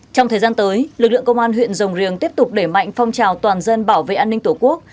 trong thời gian tới lực lượng công an huyện rồng riềng tiếp tục đẩy mạnh phong trào toàn dân bảo vệ an ninh tổ quốc